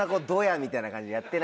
みたいな感じでやってないから。